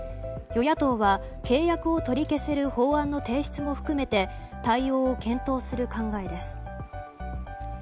与野党は契約を取り消せる法案の提出も含めて対応を検討する考えです。